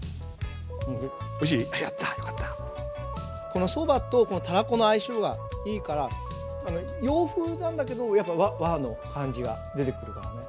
このそばとたらこの相性がいいから洋風なんだけどやっぱ和の感じが出てくるんだね。